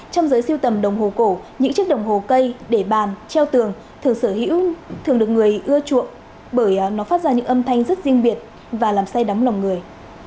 trong giới siêu tầm đồng hồ cổ những chiếc đồng hồ cây để bàn treo tường sở hữu thường được người ưa chuộng bởi nó phát ra những âm thanh rất riêng biệt và làm say đóng lòng người